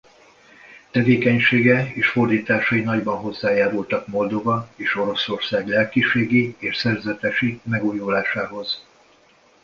Tevékenysége és fordításai nagyban hozzájárultak Moldva és Oroszország lelkiségi és szerzetesi megújulásához.